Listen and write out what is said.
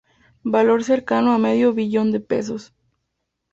Valor cercado a medio billón de pesos.